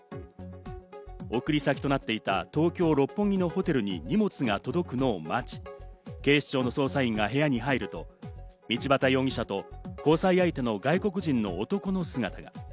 送り先となっていた東京・六本木のホテルに荷物が届くのを待ち、警視庁の捜査員が部屋に入ると、道端容疑者と交際相手の外国人の男の姿が。